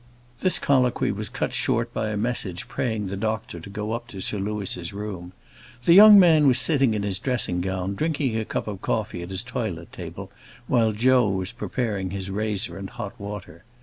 This colloquy was cut short by a message praying the doctor to go up to Sir Louis's room. The young man was sitting in his dressing gown, drinking a cup of coffee at his toilet table, while Joe was preparing his razor and hot water.